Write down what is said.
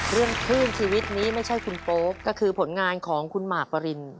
คลื่นชีวิตนี้ไม่ใช่คุณโป๊กก็คือผลงานของคุณหมากปริน